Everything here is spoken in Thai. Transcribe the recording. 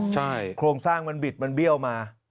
ใช่โครงสร้างมันบิดมันเบี้ยวมา